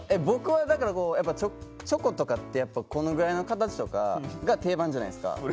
僕はだからやっぱチョコとかってやっぱこのぐらいの形とかが定番じゃないですか。